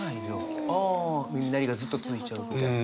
耳鳴りがずっと続いちゃうみたいな。